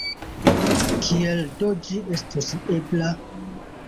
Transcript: Kiel do ĝi estus ebla?